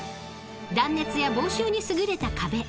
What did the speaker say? ［断熱や防臭に優れた壁。